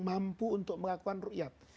mampu untuk melakukan ruqyah